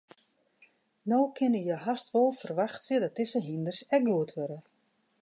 No kinne je hast wol ferwachtsje dat dizze hynders ek goed wurde.